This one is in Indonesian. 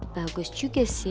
bagus juga sih